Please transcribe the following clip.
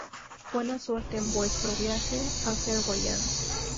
Buena suerte en vuestro viaje, Azerbaiyán.